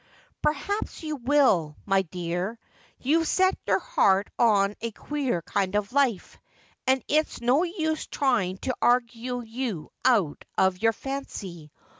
'Perhaps you will, my dear. You've set your heart on a queer kind of life ; and it's no use trying to aigue you out of your fancy.